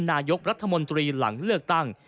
นายกรัฐมนตรีหลังเลือกตั้ง